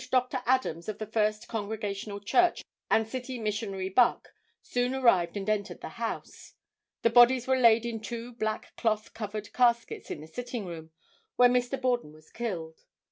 Dr. Adams of the First Congregational Church and City Missionary Buck soon arrived and entered the house. The bodies were laid in two black cloth covered caskets in the sitting room, where Mr. Borden was killed.